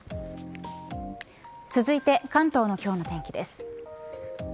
続いて関東の今日の天気です。